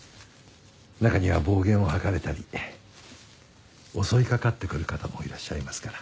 中には暴言を吐かれたり襲いかかってくる方もいらっしゃいますから。